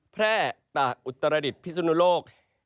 แพร่ตากอุตรศิลป์พิสุนโลก